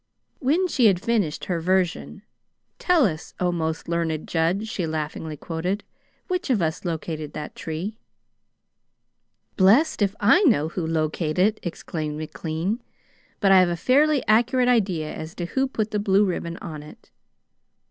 When she had finished her version, "Tell us, 'oh, most learned judge!'" she laughingly quoted, "which of us located that tree?" "Blest if I know who located it!" exclaimed McLean. "But I have a fairly accurate idea as to who put the blue ribbon on it."